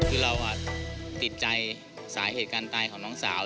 คือเราติดใจสาเหตุการตายของน้องสาว